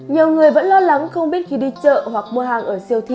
nhiều người vẫn lo lắng không biết khi đi chợ hoặc mua hàng ở xe